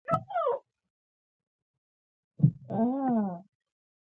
پر مخصوصو کیمیاوي موادو لړل کېږي د پایښت لپاره.